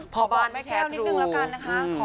พอบอกแม่แค้วนิดนึงก่อนนะคะ